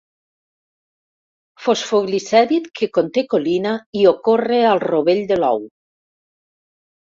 Fosfoglicèrid que conté colina i ocorre al rovell de l'ou.